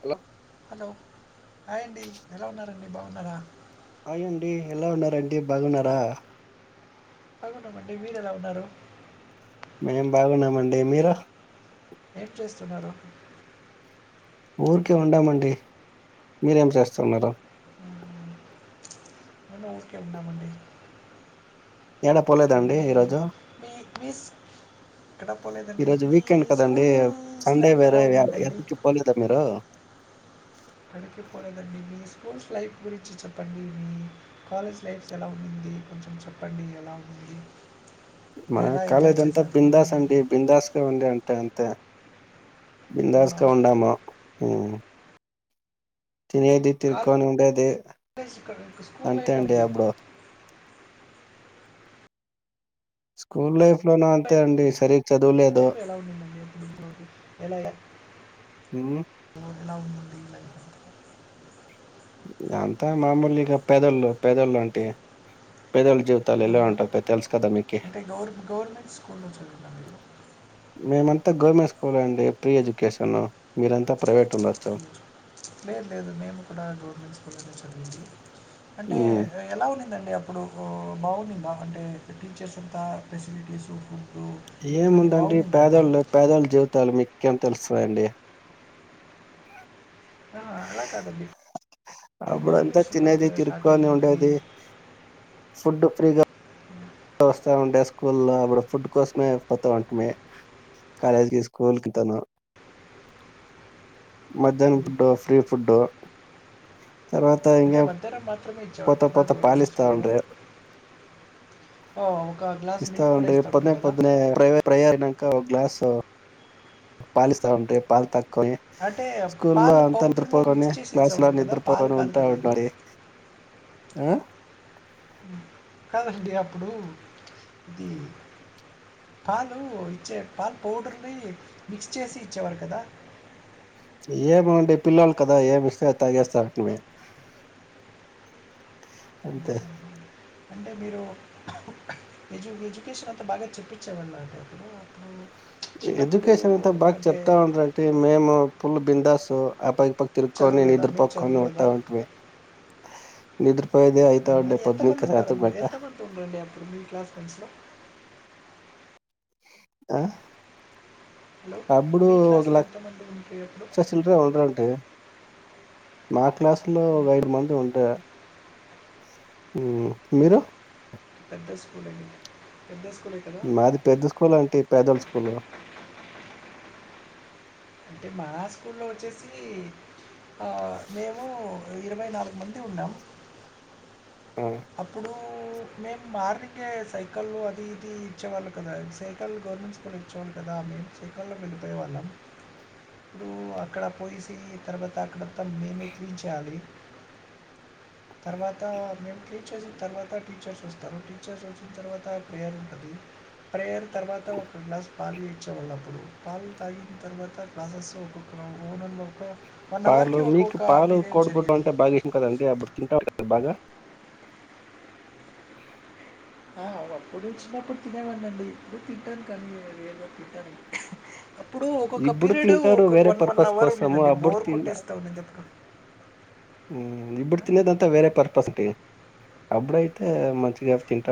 Hello hello hi అండి ఎలా ఉన్నారండి బాగున్నారా అయండి ఎలా ఉన్నారంటడి బాగున్నారా బాగున్నామండి మీరు ఎలా ఉన్నారు మేం బాగున్నామండి మీరు ఏం చేస్తున్నారు ఊరికే ఉండామండి మీరేం చేస్తన్నారు మ్మ్, మేము ఊరికే ఉన్నామండి ఏడ పోలేదండి మీ ఈరోజు మీ స్ ఎక్కడ పోలేదండి ఈరోజు మీ వీకెండ్ కదండి స్కూల్స్ సండే లైఫ్ ఎలా వేరే ఎ- ఉన్నిందండి ఎక్కడికి పోలేదా మీరు యాడికిపోలేదండి, మీ స్కూల్స్ లైఫ్స్ గురించి చెప్పండి మీ కాలేజ్ లైఫ్స్ ఎలా ఉన్నింది కొంచెం చెప్పండి ఎలా ఉంది. మ మీరు ఎలా ఎంజాయ్ కాలేజ్ అంతా చేశారు బిందాస్ ఏంటి అండి బిందాస్గా ఉండే అంతే తా అవునా బిందాస్కా ఉండాము హ్మ్ తినేది తిరుక్కొని ఉండేది కాలేజ్ ఇక్కడ స్కూల్ అంతే లైఫ్ అండి అబ్బుడు స్కూల్ లైఫ్ లో నా అంతే అండి సరి ఎలా ఉన్నిందండి ఎలాగా? ఉమ్. ఎలా ఉన్నింది లైఫ్ అం అంతా మామూలిగా పెదోళ్ళు పెదోళ్ళు ఆంటి ఆ అంటే గవర్ గవర్నమెంట్ స్కూల్లో చదివిండండీ మేమంతా గవర్నమెంట్ స్కూల్ అండి ప్రీ ఎడ్యుకేషను మీరంతా ప్రైవేట్ ఉండొచ్చు లేదు లేదు మేము కూడా గవర్నమెంట్ స్కూల్లోనే చదివీంది అంటే ఉమ్ ఎలా ఉన్నాయి [unintelligible] అండి అప్పుడు బాగున్నింది ఆ అంటే టీచర్స్ అంతా ఫెసిలిటీస్ ఫుడ్ ఇవన్నీ ఏముందండి బాగుండిందా అప్పుడు పేదళ్లు పేదళ్ల జీవితాలు మీక్ కేమ్ తెలుస్తాయండి ఆ అలా కాదండి ఇప్పుడు అప్పుడంతా గవర్నమెంట్స్ తినేది కూడా షార్టేజ్ తిరుక్కొని ఉంటది ఉండేది ఫుడ్ ఫ్రీగా [unintelligible] వస్తా ఉంటే స్కూల్ల్లో అప్పుడు ఫుడ్ కోసమే పోతా ఉంటుమి కాలేజ్కి స్కూల్ కి తను మధ్యానం ఉమ్. ఫుడ్ ఫ్రీ ఫుడ్డు అంటే మనతరం మాత్రమే ఇచ్చేవారు పోత కదా పోత గవర్నమెంట్ పాలిస్తా స్కూల్లో ఉండ్రి ఓ, ఒక గ్లాస్ ఇస్త మిల్క్ కూడా ఉండే ఇస్తుంటారు పొద్నే కదా పొద్దునే ప్ర ప్రా ఇంక ఒక గ్లాస్ ప పాలిస్తా ఉండ్రి పాల్ తాగ్ కొని అంటే స్కూల్లో పాలు అంతా పౌడర్‌లో నిద్రపోగానె మిక్స్ చేసి ఇచ్చా క్లాసు లో ఉంటారు కదా! పాలు నిద్రపోకని కాదు ఉంటా కదా అది. ఉండాలి ఆ కాదండి అప్పుడు ఇది పాలు ఇచ్చే పాలు పౌడర్ని మిక్స్ చేసి ఇచ్చేవారు కదా ఏమ్ అండి పిల్లలు కదా ఏమి ఇస్తే తాగేస్తారు అంటనే అంతే హుహుహు. అంటే మీరు ఎజ్యు ఎడ్యుకేషన్ అంతా బాగా చెప్పిచ్చే వాళ్ళు అంట బ్రో [unintelligible] ఎడ్యుకేషన్ అంతా బాగా చెప్తా ఉండంటడి మేము పుల్ బిందా సో అపై ప తిరుక్కొని చదవలేదా? నిద్ర మీరు పోకుండా ఉంట చదవలేదా? ఉంటిమి నిద్రపో కానీ ఎంతమంది ఉన్నారండి మీరు ఎంత పంది ఉండండి అప్పుడు మీ క్లాస్ ఫ్రెండ్స్లో ఆ హలో! అప్పుడు మీ ఒక క్లాస్‌లో ఎంతమంది ఉండ్రి అప్పుడు? లక్ష చిలరే ఉంటరు అంటే మాత్ క్లాసులో ఒక హ్మ్. ఐదు మంది ఉంటే హ్మ్ మీరు పెద్ద స్కూల్ అండి పెద్ద స్కూలే కదా మాది పెద్ద స్కూల్ అంటె పేదల స్కూలు అంటే మా స్కూల్లో వచ్చేసి ఆ మేము ఇరవై నాలుగు మంది ఉన్నాము అప్పుడు ఇప్పుడు మేము మార్నింగే సైకల్లో అది ఇది ఇచ్చేవాళ్ళు కదా సైకల్ గవర్నమెంట్ స్కూల్ ఇచ్చేవాళ్ళు కదా మేము సైకల్లో వెళ్ళిపోయేవాళ్ళం ఇప్పుడు అక్కడ పోసి తర్వాత అక్కడంతా మేమే క్లీన్ చేయాలి తర్వాత మేము క్లీన్ చేసిన తర్వాత టీచర్స్ వస్తారు టీచర్స్ వచ్చిన తర్వాత ప్రేయర్ ఉంటది ప్రేయర్ తర్వాత ఒక గ్లాస్ పాలు వేచ్చేవాళ్ళుప్పుడు పాలు తాగిన తర్వాత గ్లాసెస్లో ఒక్కొక్క ఓనన్లో పాలు మీకు పాలు కోడగుడ్డ జరిగేది అంటే బాగా ఇష్టం కదండి అప్పుడు తింటా ఉనారు బాగా ఆ అవప్పుడు చిన్నప్పుడు తినేవాడి అండి ఇప్పుడు తింటాను కానీ వేళ తింటాను అప్పుడు ఒక్కొక్క ఇప్పుడు పీరియడ్ ఒ తింటారు ఒకొ వేరే వన్ వన్ పర్పస్ అవర్ కోసము ఉన్నింది అప్పుడు బోర్ కొట్టేస్త ఉన్నింది అప్పుడు ఊ ఇబ్బడు తిన్నదంతా వే పర్పస్ తి అబ్బుడయితే మంచ్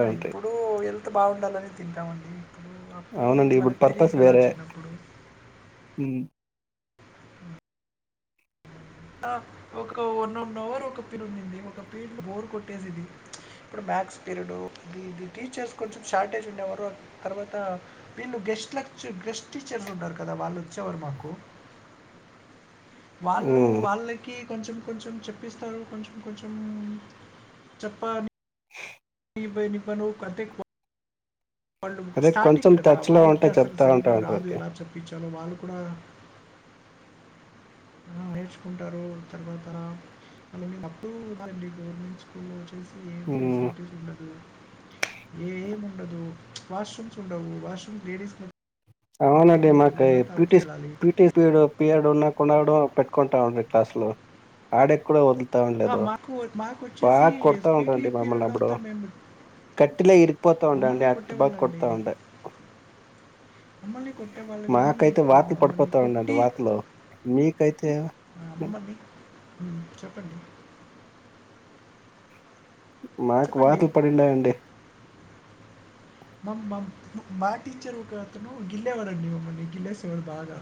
ఆ ఇప్పుడు హల్త్ బాగుండాలని తింటామండి ఇప్పుడు అప్పుడు అవునండి ఇప్పుడు మనకు తెలియదు పర్పస్ కదా వేరే చిన్నప్పుడు ఉమ్, ఆ ఒక వన్ వన్ అవర్ ఒక పీరిడ్ ఉందింది ఒక పీరియడ్ బోర్ కొట్టేసిది ఇప్పుడు మ్యాథ్స్ పీరియడ్ ఇది ఇది టీచర్స్ కొంచెం షార్టేజ్ ఉండేవారు తర్వాత వీళ్ళు గెస్ట్ లెక్చ్ గెస్ట్ టీచర్స్ ఉన్నారు కదా వాళ్ళు వచ్చేవారు మాకు వాళ్లు ఉమ్. వాళ్ళకి కొంచెం కొంచెం చెప్పిస్తారు కొంచెం కొంచెం చెప్పాలి ఇవనిపను కంటెట్ పా వాళ్ళు అదే స్టార్టింగ్ కొంచెం కదా టచ్ లో వాళ్ళకి ఉంటే అసలు చెప్తా ఉంటా సరిగా రాదు ఉంటారండి ఎలా చెప్పించాలో వాళ్ళు కూడా నేర్చుకుంటారు తర్వాత అ అప్పుడు గవర్నమెంట్ స్కూల్ తెలిసి ఏం ఉమ్, ఫెసిలిటీస్ ఉండదు ఏం ఉండదు వాష్రూమ్స్ ఉండవు వాష్రూమ్స్ లేడీస్ మ అవునండి మాకి పిటీ పిటీ పీరియడ్ పీరియడ్ కొన్నాడో పెట్టుకుంటాండ్రి క్లాస్ లో ఆడే కూడా వొదులు కతా ఆ! ఉండలేదు మాకు మాకొచ్చేసి బాగా కొడతా పీటీ ఉండ్రండి మమ్మల్ని పీరియడ్‌లో అబ్బుడు అంతా మేము కట్టిలె ఇరికిపోతా ఉండండి మమ్మల్ని అంత బాగా కొట్టేవాళ్ళండి. కొడతా ఉండే మమ్మల్ని కొట్టేవాళ్ళు గానీ, మాకైతే ఇప్పుడు వాట్లు మమ్మల్ని పడిపోతా ఉండండి వాట్లో మీకైతే. మ అమ్మమ్మ డి మ్మ్ చెప్పండి మాకు చెప్పండి. వాతలు పడినయండి మమ్ మమ్ మా టీచర్ ఒకతను గిల్లేవాడు మమ్మల్ని గిల్లేసాడు బాగా.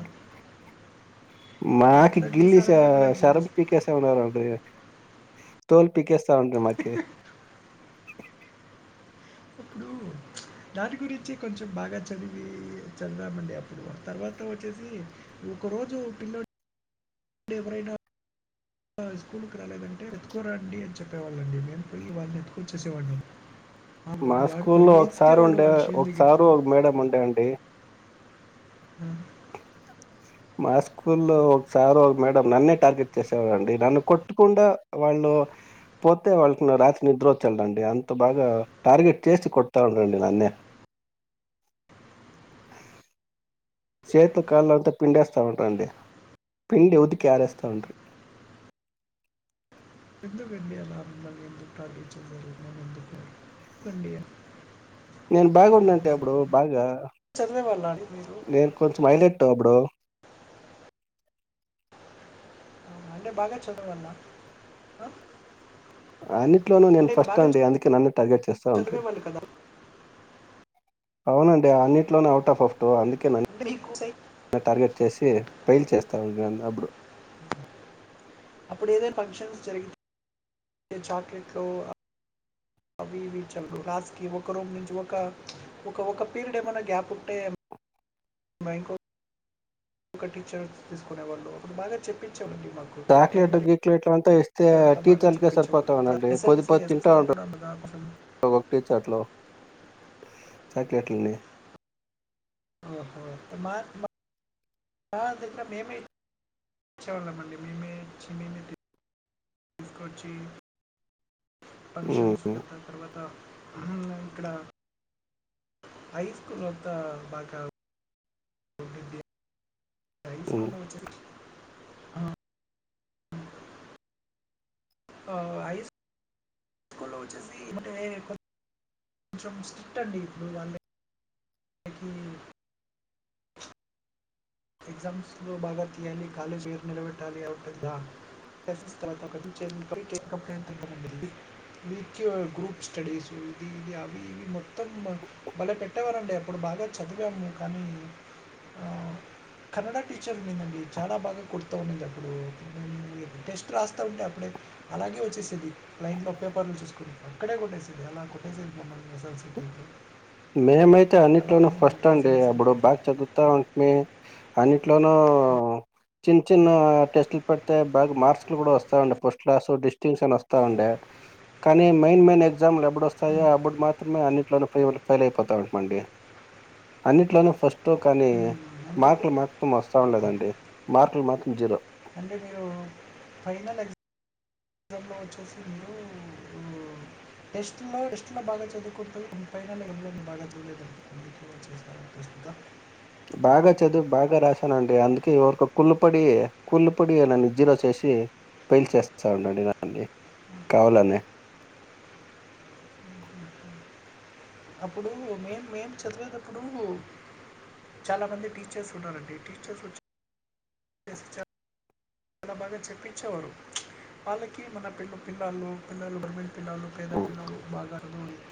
మాకు వదలండి గిల్లి సార్ స అంటే కూడా షరబ్ గిల్లేసి పీకేసే వాడండి తోల్ పీకేస్త ఉండ్రి మాకి. ఉమ్ దాని గురించి కొంచెం బాగా చదివీ చదివామండి అప్పుడు తర్వాత వచ్చేసి ఒకరోజు పిల్లలో. డే ఎవరైనా స్కూల్కి రాలేదంటే ఎత్తుకోరండి అని చెప్పేవాళ్ళండి మేము పోయి వాళ్ళని ఎత్తుకొచ్చేసేవాడిని. మా స్కూల్లో ఒకసారి ఉండే చేను దగ్గరికి. ఒకసారు ఒక మేడం ఉండే అండి. ఊ మా స్కూల్లో ఒకసారి మేడం నన్నే టార్గెట్ చేసేవాడంండి నన్ను కొట్టకుండా వాళ్ళు పోతే వాళ్ళకి రాత్రి నిద్ర వచ్చేలదండి అంత బాగా టార్గెట్ చేసి కొడతా ఉండండి నన్నే. చేతు కాళ్ళ అంతా పిండిస్తా ఉంటారుండి పిండి ఉదికి ఆరే స్తా ఉండ. ఎందు వెడిలా ఎందు టచ జరున్నా ఎందు వడి నేను బాగున్నాటే అప్పుడు బాగా చదివేవాళ్ళా అండి మీరు? నేను కొంచెం అైలెట్ అప్పుడు. ఆ! అంటే బాగా చాదివల్ల హా అన్నిట్లోనూ నేను ఫస్ట్ అండి అందుకే నన్ను టార్గెట్ చేస్తా ఉండ్రి. చదివేవాళ్ళు కదా! అవునండి అన్నింటిలోనే అవుట్ ఆఫ్ ఆఫ్ట్ అందుక్. అంటే మీకు సై నంన్ టార్గెట్ చేసి ఫెయిల్ చేస్త్ తనకి అంటె అప్పుడు. అప్పుడు ఏదైనా ఫంక్షన్స్ జరిగితే చాక్లెట్లు అ అవివి చ రాస్కి ఒక రూమ్ నుంచి ఒక ఒక ఒక పీరియడ్ ఏమైనా గ్యాప్ ఉంటే. బైకో ఒక టీచర్ తీసుకునే వాళు అప్పుడు బాగా చెప్పించి. చాక్లేెట్ గీక్లేట్ అం త్త ఇస్తే అంతా బాగా టీచర్లకే చెప్పించేవాళ్ళు. సరిపోతా ఉండి పది ఎస్ఎల్‌సి పది తింటా ఎస్ఎల్‌సిలో ఉంట కూడా బాగా కొంచెం ఒొ టీచర్లు. చాక్లేట్లనీ ఓహో మార్క్ మా ఆ దగ్గర మేమే ఇచ్చేవాళ్ళంమండి మేమే ఇచ్చి మేమే తీ తీసుకొచ్చి ఉమ్, పంక్షన్స్కత తర్వాత మ్మ్ ఇక్కడ హై స్కూల్ వద్దా బాగా రైస్ ఉమ్. కొనం చెప్పి ఆ హై స్కూల్ వచ్చేసి అంటే కొంచెం స్ట్రిక్ట్ అండి ఇప్పుడు వాళ్లకి ఎగ్జామ్స్లో బాగా తీయాలి కాలేజ్ పేరు నిలబెట్టాలి ఆ ఉంటాది కదా తర్వాత టేకప్ండి వీక్ గ్రూప్ స్టడీస్ ఇది ఇది అవి ఇ మొత్త బలపెట్టేవారంండి అప్పుడు బాగా చదివాము కానీ. కన్నడ టీచర్ మీందండి చాలా బాగా కొడుతూ ఉన్నది అప్పుడు టెస్ట్ రాస్తూ ఉండే అప్పుడే అలాగే వచ్చేసేది క్లైంట్లో పేపర్లు చూసుకుని అక్కడే కొట్టేసేది అలా కొట్టేసేది మమ్మల్ని ఎస్ఎల్సీ మేమైతే అలా అన్నిట్లోన ఫస్ట్ ఉండిందండి అండి ఎస్ఎల్సీ అప్పుడు లైఫ్. బాగా చదువుతా ఉంటే అన్నిట్లోనూ చిన్న చిన్న టెస్ట్లు పెడితే బాగా మార్క్స్ లు కూడా వస్తా ఉండే ఫస్ట్ క్లాస్ డిస్టింషన్ వస్తా ఉండే కానీ మెయిన్ మెయిన్ ఎక్స ఎగ్జామ్ ఎప్పుడు వస్తాయో హ్మ్. అప్పుడు మార్క్ మ అన్నిట్లోని ఫెయిల్యూ ఫెయిల్ అయిపోతామండి అన్నిట్లోనూ ఫస్ట్ కానీ హ్మ్. అంటే మార్ మత్రం వస్తా ఉండేదండి మార్కులు మాత్రం జీరో అంటే మీరు ఫైనల్ ఎగ్జామ్ వచ్చేసి మీరు టెస్ట్లో టెస్ట్లో బాగా చదువుకుంటూ ఫైనల్ ఎగ్జాంలోను బాగా చదవలేదా బాగా చదువు బాగా రాశానండి అందుకే ఎవరికో కుళ్ళుపడి కుళ్ళుపడి నన్ను జీరో చేసి ఫెయిల్ చేస్తాన్నరూ కావాలని అప్పుడు మేము మేము చదివేటప్పుడు చాలా మంది టీచర్స్ ఉన్నారండి టీచర్స్ వచ్చి ఏ శిక్ష చాలా బాగా చెప్పించేవారు వాళ్ళకి మన పిల్ల పిల్లలు పిల్లలు గర్మెట్ పిల్లలు పేద ఉమ్. పిల్లలు బాగా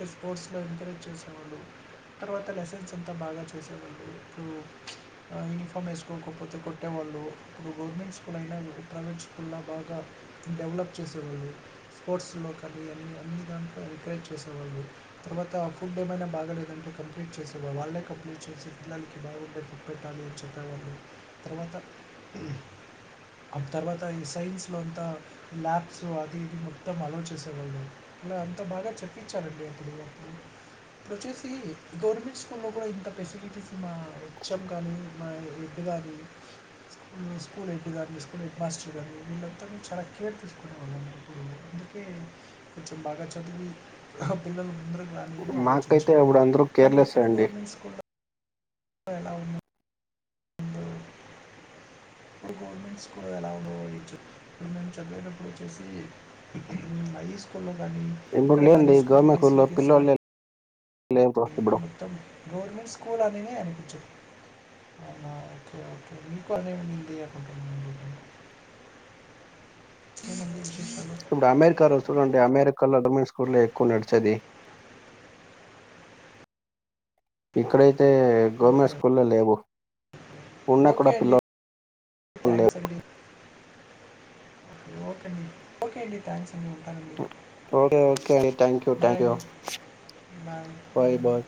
ఇ స్పోర్ట్స్లో ఎంకరేజ్ చేసేవాళ్ళు తర్వాత లెసెన్స్ అంతా బాగా చేసేవాళ్ళు ఇప్పుడు యూనిఫామ్ వేసుకోకపోతే కొట్టేవాళ్ళు ఇప్పుడు గవర్నమెంట్ స్కూల్ ఎప్పుడైనా ప్రైవేట్ స్కుల్ల్లో బాగా డెవలప్ చేశారు స్పోర్ట్స్ కానీ కానివ్వండి అన్నిట్లో ఎంకరేజ్ చేసేవాళ్ళు తర్వాత ఫుడ్ ఏమైనా బాగాలేదంటే కంప్లైంట్ చేసేవాళ్ళు వాళ్ళే కంప్లైంట్ చేసి పిల్లలకి బాగుడే ఫుడ్ పెట్టాలి అని చెప్పేవాళ్ళు తర్వాత ఆ తర్వాత ఈ సైన్స్లో అంత ల్యాబ్స్ అది మొత్తం అలో చేసేవాళ్ళం ఇలా అంత బాగా చెప్పించారండి అప్పుడు ఇప్పుడు వచ్చేసి గవర్నమెంట్ స్కూల్లో కూడా ఇంత ఫెసిలిటీస్ మా హెచ్ఎం కానీ మా ఎడ్ కానీ స్కూల్ ఎ తీసుకుని హెడ్ మాస్టర్ గారు వీళ్ళంతా చాలా కేర్ తీసుకునే వాళ్ళు అందుకే కొంచెం బాగా చదివి ఆ పిల్లలు అందరూ మాకైతే ఆలోచించేవాళ్లు ఇప్పుడు అందరూ కానీ కేర్లెస్ ఇప్పుడు అండి గవర్నమెంట్ స్కూల్ లో నువ్ ఎలా ఉన్నావ్ ఇప్పుడు గవర్నమెంట్ స్కూల్ ఎలా ఉండచ్చు. కానీ మేము చదివనప్పుడు వచ్చేసి హై స్కూల్ లో కానీ ఇప్పుడు ఇక్కడ కానీ లేండి స్కూల్ గవర్నమెంట్ స్కూల్లో ఫెసిలిటీస్ కానీ పిల్లోల్లే లేరు ఇప్పుడు మొత్తం గవర్మెంట్ స్కూల్ అననే అనిపించదు. అవునా ఓకేఓకే మీకు అదే ఉంది. [inaudible] ఇప్పుడు అమెరికా లో చూడండి. అమెరికాలో అటమన్ స్కూల్ లో ఎక్కువ నడిచేది. ఇక్కడైతే తే గవర్నమెంట్ ఓకే స్కూల్లో లేవు. ఉన్నా ఓకే కూడా పిల్ల అండి. థ్యాంక్స్ అండి. ఓకే అండి. ఓకే అండి. థ్యాంక్స్ అండి. ఉంటానండి. ఓకే ఓకే అండి thank you you bye thank you you అండి బాయ్ బాయ్